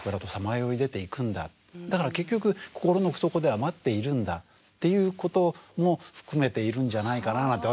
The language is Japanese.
だから結局心の奥底では待っているんだっていうことも含めているんじゃないかなあなんて